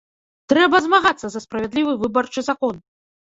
Трэба змагацца за справядлівы выбарчы закон!